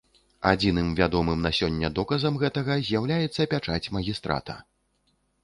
Адзіным вядомым на сёння доказам гэтага з'яўляецца пячаць магістрата.